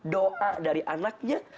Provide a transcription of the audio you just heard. doa dari anaknya